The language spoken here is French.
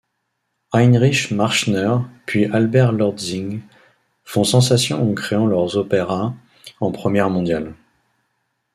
Heinrich Marschner puis Albert Lortzing font sensation en créant leurs opéras en première mondiale.